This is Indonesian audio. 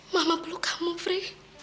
mama perlu kamu fre